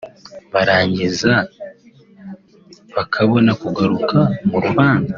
barangiza bakabona kugaruka mu rubanza